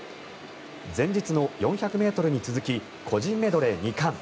前日の４００ｍに続き個人メドレー２冠。